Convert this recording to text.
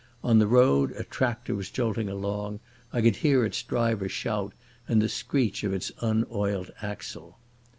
On the road a tractor was jolting along—I could hear its driver shout and the screech of its unoiled axle.